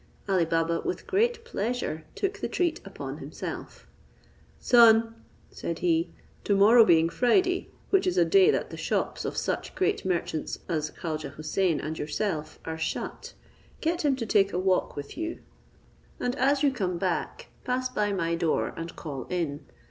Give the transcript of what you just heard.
Ali Baba, with great pleasure, took the treat upon himself. "Son," said he, "to morrow being Friday, which is a day that the shops of such great merchants as Khaujeh Houssain and yourself are shut, get him to take a walk with you, and as you come back, pass by my door, and call in.